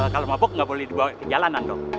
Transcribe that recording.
kalau mabok gak boleh dibawa ke jalanan dong